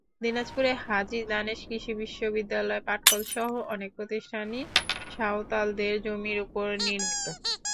দিনাজপুরের হাজী দানেশ কৃষি বিশ্ববিদ্যালয়, পাটকলসহ অনেক প্রতিষ্ঠানই সাঁওতালদের জমির ওপর নির্মিত।